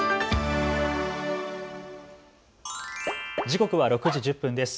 時刻は６時１０分です。